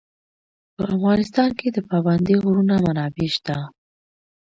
په افغانستان کې د پابندی غرونه منابع شته.